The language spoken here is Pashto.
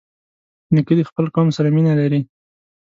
نیکه د خپل قوم سره مینه لري.